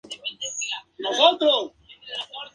Habita bosques de galería.